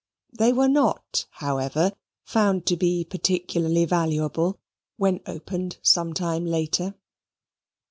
They were not, however, found to be particularly valuable when opened some time after.